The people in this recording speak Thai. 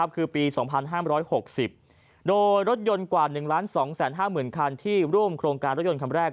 คือปี๒๕๖๐โดยรถยนต์กว่า๑๒๕๐๐๐คันที่ร่วมโครงการรถยนต์คันแรก